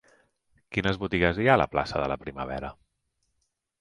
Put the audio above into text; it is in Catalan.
Quines botigues hi ha a la plaça de la Primavera?